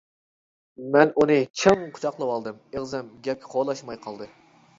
مەن ئۇنى چىڭ قۇچاقلىۋالدىم، ئېغىزىم گەپكە قولاشماي قالدى.